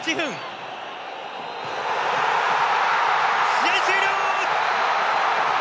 試合終了！